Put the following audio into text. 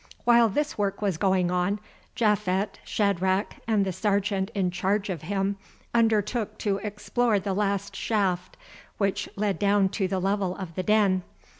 While this work was going on, Japhet, Shadrach, and the Sergeant in charge of him, undertook to explore the last shaft which led down to the level of the den.